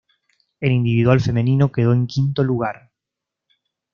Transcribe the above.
En individual femenino quedó en quinto lugar.